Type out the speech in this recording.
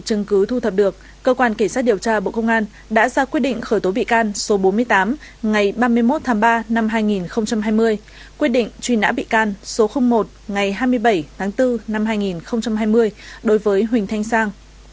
chứng cứ thu thập được cơ quan kể sát điều tra bộ công an đã ra quyết định khởi tố bị can số bốn mươi tám ngày ba mươi một tháng ba năm hai nghìn hai mươi quyết định truy nã bị can số một ngày hai mươi bảy tháng bốn năm hai nghìn hai mươi đối với huỳnh thanh sang